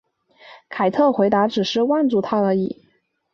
凯特回答只是望住他而已。